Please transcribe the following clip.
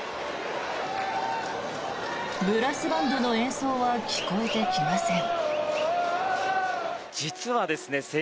ブラスバンドの演奏は聞こえてきません。